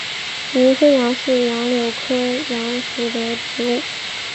银灰杨是杨柳科杨属的植物。